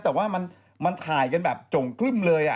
แต่ว่ามันถ่ายกันกล่ำกลึ่มเลย